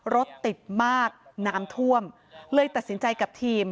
รถติดมากน้ำท่วมเลยตัดสินใจกับทีม